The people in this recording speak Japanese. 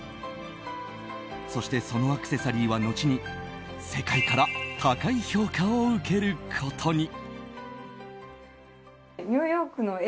そして、そのアクセサリーは後に世界から高い評価を受けることに。